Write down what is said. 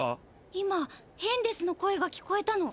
今ヘンデスの声が聞こえたの。